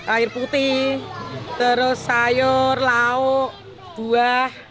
air putih terus sayur lauk buah